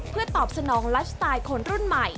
เพื่อตอบสนองไลฟ์สไตล์คนรุ่นใหม่